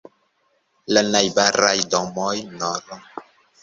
La najbaraj domoj nr.